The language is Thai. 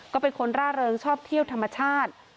ก็เป็นคนร่าเริงชอบเที่ยวธรรมชาติ